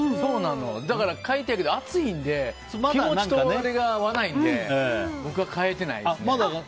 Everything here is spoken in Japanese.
だから、買いたいけど暑いので気持ちとあれが合わないんで僕は買えてないですね。